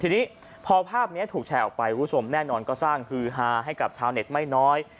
ทีนี้พอภาพนี้ถูกแชร์ออกไปคุณผู้ชมแน่นอนก็สร้างฮือฮาให้กับชาวเน็ตไม่น้อย